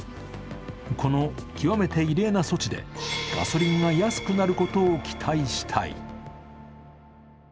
この極めて異例な措置でガソリンが安くなることを期待したい。